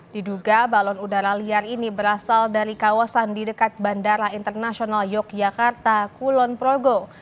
diduga balon udara liar ini berasal dari kawasan di dekat bandara internasional yogyakarta kulon progo